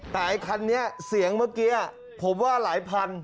แต่ไอ้คันนี้เสียงเมื่อกี้ผมว่าหลายพัน